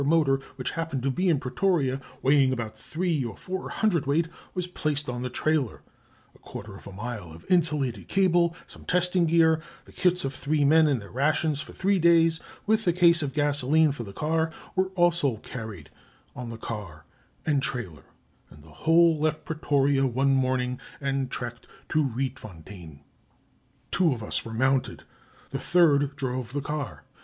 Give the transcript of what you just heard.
motor, which happened to be in Pretoria, weighing about three or four hundredweight, was placed on the trailer; a quarter of a mile of insulated cable, some testing gear, the kits of three men and their rations for three days, with a case of gasolene for the car, were also carried on the car and trailer, and the whole left Pretoria one morning and trekked to Rietfontein. Two of us were mounted, the third drove the car.